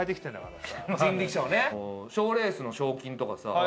賞レースの賞金とかさ